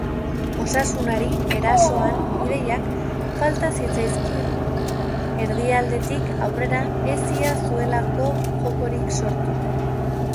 Osasunari erasoan ideak falta zitzaizkion, erdikaldetik aurrera ez ia zuelako jokorik sortu.